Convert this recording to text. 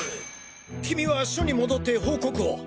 君は署に戻って報告を。